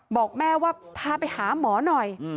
บอกแม่ว่าพาไปหาหมอหน่อย